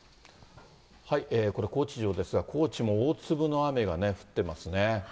これ、高知城ですが、高知も大粒の雨が降ってますね。